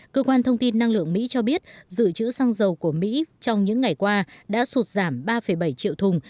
cơ quan thông tin năng lượng mỹ cho biết dự trữ xăng dầu của mỹ trong những ngày qua đã sụt giảm ba bảy triệu thùng